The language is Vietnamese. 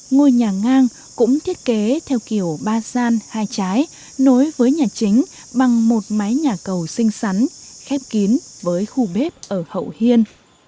ngôi nhà ngang cũng thiết kế theo kiểu ba gian hai trái nối với nhà chính bằng một mái nhà cầu xinh xắn khép kín với khu bếp ở hậu hiên